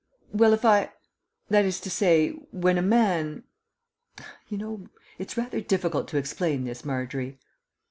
Well, if I that is to say, when a man you know, it's rather difficult to explain this, Margery."